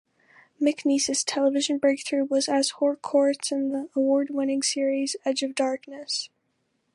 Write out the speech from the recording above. McNeice's television breakthrough was as Harcourt in the award-winning series "Edge of Darkness".